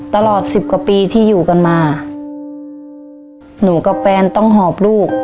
ตลอดสิบกว่าปีที่อยู่กันมาหนูกับแฟนต้องหอบลูก